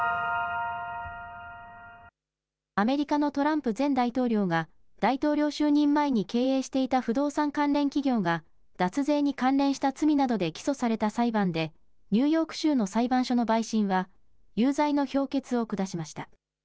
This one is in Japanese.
アメリカのトランプ前大統領が大統領就任前に経営していた不動産関連企業が脱税に関連した罪などで起訴された裁判でニューヨーク州の裁判所の陪審は有罪の評決を下しました。